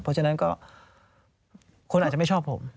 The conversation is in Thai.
เพราะฉะนั้นก็คนอาจจะไม่ชอบผม